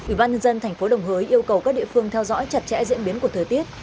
ủy ban nhân dân thành phố đồng hới yêu cầu các địa phương theo dõi chặt chẽ diễn biến của thời tiết